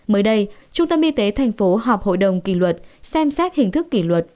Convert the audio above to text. mới đây trung tâm y tế tp họp hội đồng kỷ luật xem xét hình thức kỷ luật